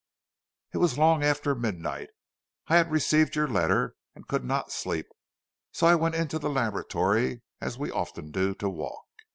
"It was long after midnight. I had received your letter and could not sleep, so I went into the laboratory, as we often do, to walk.